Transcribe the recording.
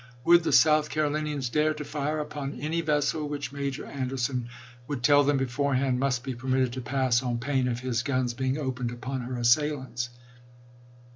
.. Would the South Carolinians dare to fire upon any vessel which Major Anderson would tell them beforehand must be permitted to pass on pain of his guns being opened upon her assailants?